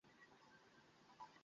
আমি তোমার কাজিনদের ভালোবাসি।